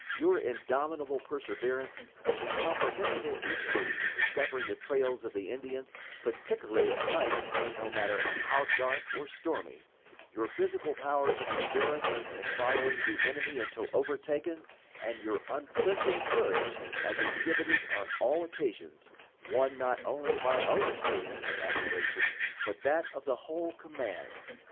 Your indomitable perseverance, incomprehensible instinct in discovering the trails of the Indians particularly at night, no matter how dark or stormy your physical powers of endurance in following the enemy until overtaken, and your unflinching courage, as exhibited on all occasions, won not only my own esteem and admiration, but that of the whole command.